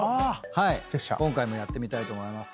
今回もやってみたいと思います。